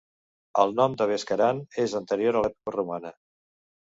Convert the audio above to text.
El nom de Bescaran és anterior a l'època romana.